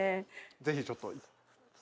ぜひちょっと。